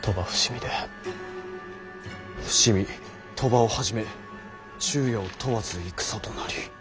「伏見鳥羽をはじめ昼夜を問わず戦となり」。